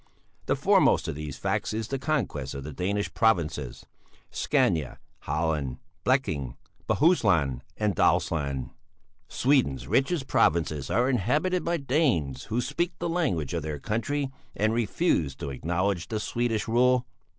The foremost of these facts is the conquest of the Danish provinces: Scania, Halland, Bleking, Bohuslän, and Dalsland; Sweden's richest provinces are inhabited by Danes who still speak the language of their country and refuse to acknowledge the Swedish rule."